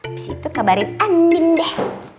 abis itu kabarin andin deh